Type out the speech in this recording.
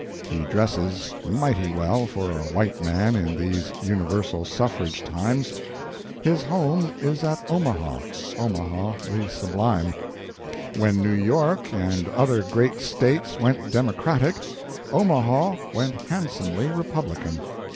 He dresses mighty well for a white man in these universal suffrage times. His home is at Omaha—Omaha the Sublime. When New York and other great States went Democratic, Omaha went handsomely Republican.